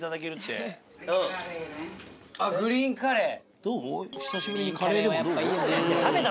これグリーンカレー？